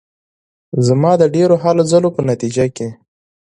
زما د ډېرو هلو ځلو په نتیجه کې.